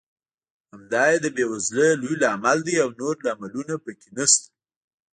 همدا یې د بېوزلۍ لوی لامل دی او نور لاملونه پکې نشته.